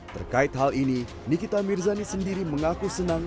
terkait hal ini nikita mirzani sendiri mengaku senang